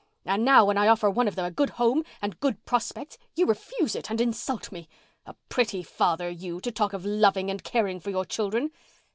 And now when I offer one of them a good home and good prospects you refuse it and insult me. A pretty father you, to talk of loving and caring for your children!"